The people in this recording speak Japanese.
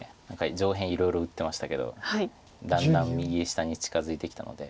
上辺いろいろ打ってましたけどだんだん右下に近づいてきたので。